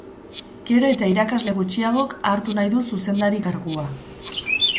Gero eta irakasle gutxiagok hartu nahi du zuzendari kargua.